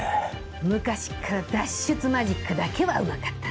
昔っから脱出マジックだけはうまかったんだ。